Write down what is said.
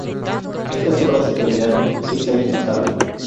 Estas obras se terminaron seis años más tarde.